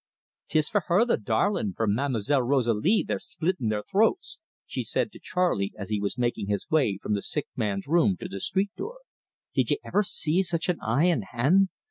"'Tis for her, the darlin' for Ma'm'selle Rosalie they're splittin' their throats!" she said to Charley as he was making his way from the sick man's room to the street door. "Did ye iver see such an eye an' hand?